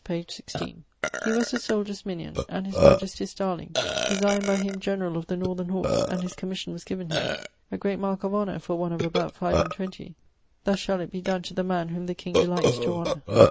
page 16: 'He was the souldiers' mignion, and his majestie's darling, designed by him generall of the northern horse (and his commission was given him), a great marke of honour for one of about five and twenty: "thus shall it be donne to the man whom the king delights to honour."